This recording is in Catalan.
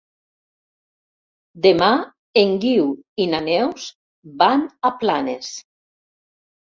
Demà en Guiu i na Neus van a Planes.